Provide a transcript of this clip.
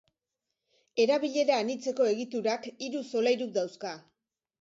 Erabilera anitzeko egiturak hiru solairu dauzka.